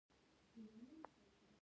لندن د زدهکړو لپاره مناسب ځای دی